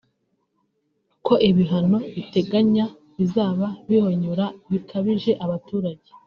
ko ibihano riteganya bizaba bihonyora bikabije abaturage